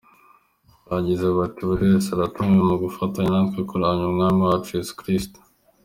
Bagize bati: "Buri wese aratumiwe mu gufatanya natwe kuramya Umwami wacu Yesu Kristo.